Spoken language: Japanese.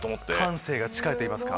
感性が近いといいますか。